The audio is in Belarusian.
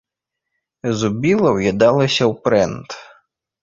Зубіла ўядалася ў прэнт.